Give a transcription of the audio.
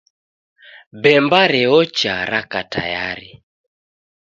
Bemba reocha raka tayari